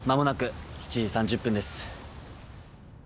間もなく７時３０分です。